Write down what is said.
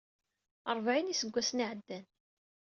Ṛebɛin n yiseggasen ay iɛeddan.